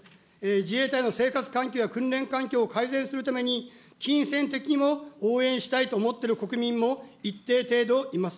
自衛隊の生活環境や訓練環境を改善するために、金銭的にも応援したいと思っている国民も一定程度います。